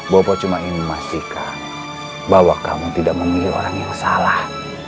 bapak cuma ingin memastikan bahwa kamu tidak memilih orang yang salah